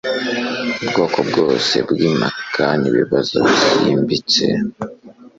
Ubwoko bwose bwimpaka nibibazo byimbitse